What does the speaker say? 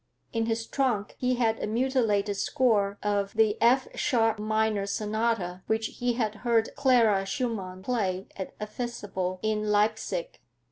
In his trunk he had a mutilated score of the F sharp minor sonata, which he had heard Clara Schumann play at a festival in Leipsic.